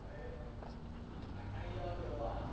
高いよ今日は。